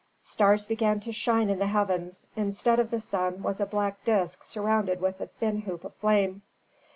Stars began to shine in the heavens; instead of the sun was a black disk surrounded with a thin hoop of flame.